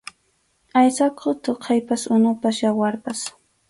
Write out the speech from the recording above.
Aysakuq thuqaypas, unupas, yawarpas.